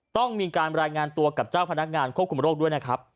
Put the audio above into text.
ต้องมีการรายงานตัวกับเจ้าพนักงานควบคุมโรคด้วยนะครับ